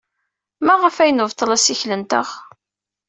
Maɣef ay nebṭel assikel-nteɣ?